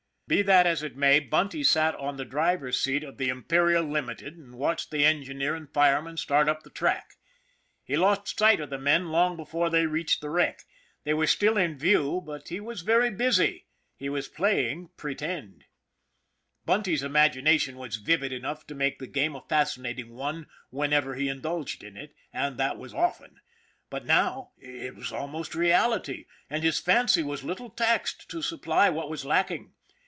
Be that as it may, Bunty sat on the driver's seat of 38 ON THE IRON AT BIG CLOUD the Imperial Limited and watched the engineer and fireman start up the track. He lost sight of the men long before they reached the wreck. They were still in view, but he was very busy : he was playing " pretend." Bunty's imagination was vivid enough to make the game a fascinating one whenever he indulged in it, and that was often. But now it was almost reality, and his fancy was little taxed to supply what was lacking.